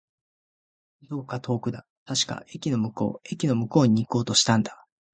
どこか遠くだ。確か、駅の向こう。駅の向こうに行こうとしたんだ。